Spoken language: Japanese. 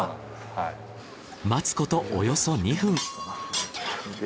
待つことおよそ２分。